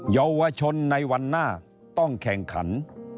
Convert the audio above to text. เยาวชนในวันหน้าต้องแข่งขัน